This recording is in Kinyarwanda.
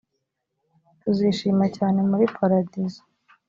tuzishima cyane muri paradizo